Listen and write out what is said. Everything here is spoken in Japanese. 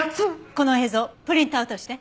この映像プリントアウトして。